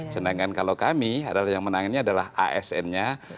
sedangkan kalau kami yang menangannya adalah asn nya